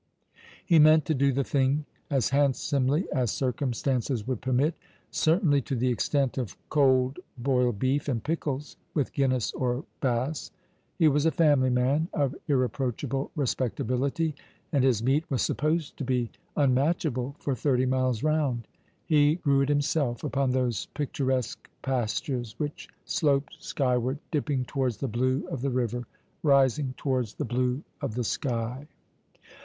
He meant to do the thing as handsomely as circumstances would permit, certainly to the extent of cold boiled beef and pickles, with Guinness or Bass. He was a family man, of irreproachable respectability, and his meat was supposed to be unraatchable for thirty miles round. He grew it himself, upon those picturesque pastures which sloped sky ward, dipping towards the blue of the river, rising towards the blue of the sky.